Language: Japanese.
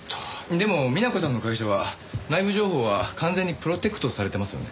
でも美奈子さんの会社は内部情報は完全にプロテクトされてますよね？